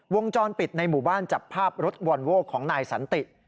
วงจรปิดในหมู่บ้านจับภาพรถวอนโว้ของนายสันติ